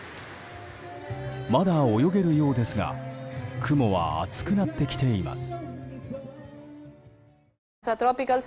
まだ泳げるようですが雲は厚くなってきています。